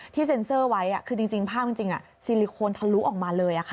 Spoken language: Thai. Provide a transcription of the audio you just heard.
ที่เซ็นเซอร์ไว้คือภาพจริงซิลิโคนทะลุออกมาเลยค่ะ